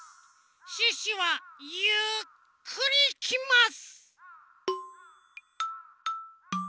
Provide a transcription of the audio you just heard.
シュッシュはゆっくりいきます！